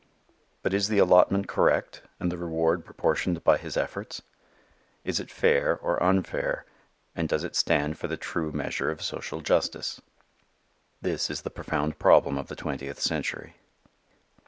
But is the allotment correct and the reward proportioned by his efforts? Is it fair or unfair, and does it stand for the true measure of social justice? This is the profound problem of the twentieth century.